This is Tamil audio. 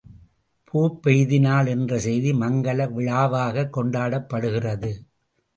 பூப்பெய்தினாள் என்ற செய்தி மங்கல விழாவாகக் கொண்டாடப்படுகிறது.